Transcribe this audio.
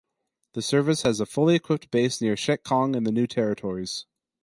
The service has a "fully-equipped base near Shek Kong in the New Territories".